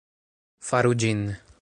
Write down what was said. Faru ĝin.